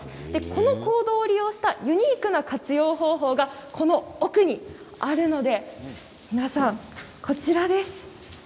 この坑道を利用したユニークな活用方法がこの奥にあるのでこの奥にあるので皆さんこちらです。